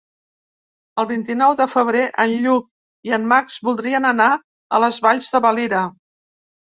El vint-i-nou de febrer en Lluc i en Max voldrien anar a les Valls de Valira.